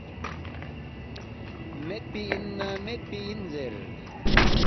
میدپی اِن نہ میدپی اِن زیر